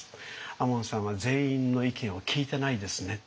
亞門さんは全員の意見を聞いてないですね」。